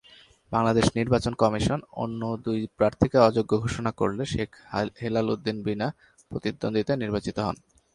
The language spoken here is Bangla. বাংলাদেশ নির্বাচন কমিশন অন্য দুই প্রার্থীকে অযোগ্য ঘোষণা করলে শেখ হেলাল উদ্দীন বিনা প্রতিদ্বন্দ্বিতায় নির্বাচিত হন।